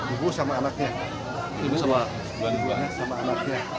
ibu sama anaknya